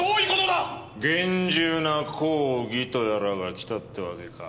厳重な抗議とやらがきたってわけか？